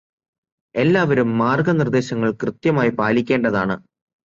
എല്ലാവരും മാര്ഗനിര്ദേശങ്ങള് കൃത്യമായി പാലിക്കേണ്ടതാണ്.